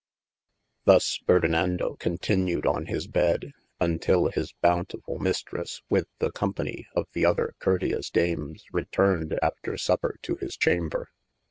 THus Ferdinando continued on his bedde, untyll hys bounti full Mistresse with the companye of the other courteous dames retorned after supper to his chamber.